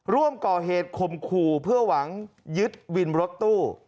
ร่วมก่อเหตุคมขู่เพื่อหวังยึดวินรถตู้